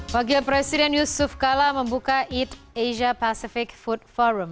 wakil presiden yusuf kala membuka eat asia pacific food forum